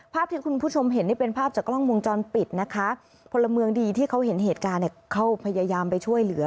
ภาพที่คุณผู้ชมเห็นนี่เป็นภาพจากกล้องวงจรปิดนะคะพลเมืองดีที่เขาเห็นเหตุการณ์เนี่ยเขาพยายามไปช่วยเหลือ